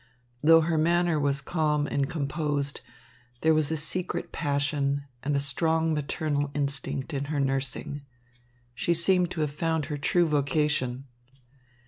Though her manner was calm and composed, there was secret passion and a strong maternal instinct in her nursing. She seemed to have found her true vocation.